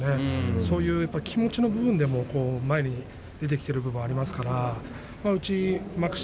そういう気持ちの部分が前に出てきている部分がありますからうち幕下